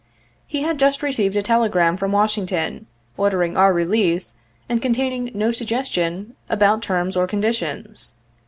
He had just received a tele gram from Washington ordering our release and containing no suggestion about terms or conditions.